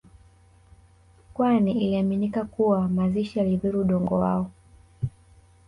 kwani iliaminika kuwa mazishi yalidhuru Udongo wao